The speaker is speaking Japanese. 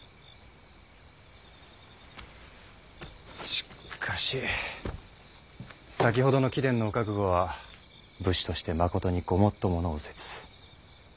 しかし先ほどの貴殿のお覚悟は武士としてまことにごもっともの御説。